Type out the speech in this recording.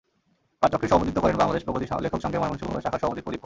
পাঠচক্রে সভাপতিত্ব করেন বাংলাদেশ প্রগতি লেখক সংঘের ময়মনসিংহ শাখার সভাপতি প্রদীপ কর।